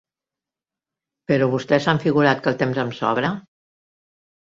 ¿Però vostès s'han figurat que el temps em sobra?